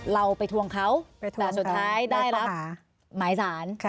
เราไปทวงเขาแต่สุดท้ายได้รับหมายสาร